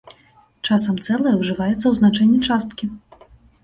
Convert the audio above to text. Часам цэлае ўжываецца ў значэнні часткі.